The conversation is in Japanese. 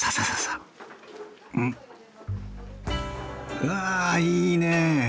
うわいいね。